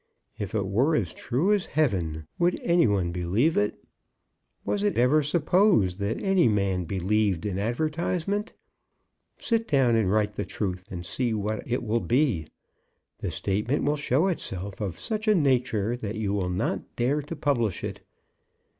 If it were as true as heaven, would any one believe it? Was it ever supposed that any man believed an advertisement? Sit down and write the truth, and see what it will be! The statement will show itself of such a nature that you will not dare to publish it.